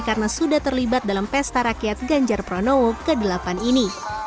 karena sudah terlibat dalam pesta rakyat ganjar pranowo ke delapan ini